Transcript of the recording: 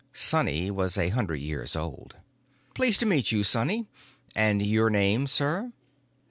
Sonny was a hundred years old. "Pleased to meet you, Sonny. And your name, sir?"